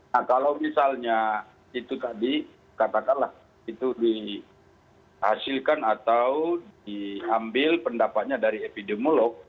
nah kalau misalnya itu tadi katakanlah itu dihasilkan atau diambil pendapatnya dari epidemiolog